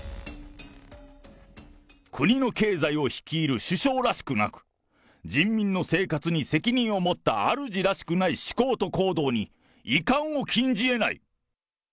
国の経済を率いる首相らしくなく、人民の生活に責任を持ったあるじらしくない思考と行動に遺憾を禁じ得ない。